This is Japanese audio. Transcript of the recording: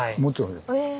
え。